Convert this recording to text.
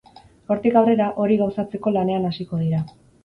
Gaurtik aurrera, hori gauzatzeko lanean hasiko dira.